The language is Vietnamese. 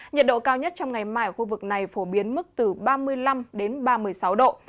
nhiệt độ cao nhất trong ngày mai ở khu vực này phổ biến mức từ ba mươi năm đến ba mươi sáu độ